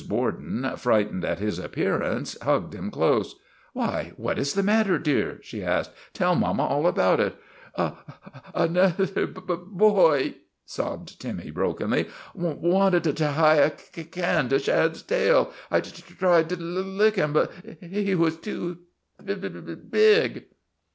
Borden, frightened at his appearance, hugged him close. "Why, what is the matter, dear?' she asked. " Tell mama all about it." "A another b boy," sobbed Timmy, brokenly, " wanted to t tie a c can to Shad's tail. I t tried to 1 lick him, but he was too b big."